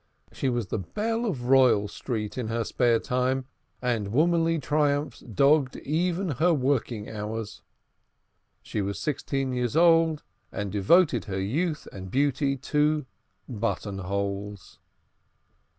She was the belle of Royal Street in her spare time, and womanly triumphs dogged even her working hours. She was sixteen years old, and devoted her youth and beauty to buttonholes.